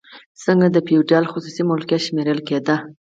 ځمکه د فیوډال خصوصي ملکیت شمیرل کیده.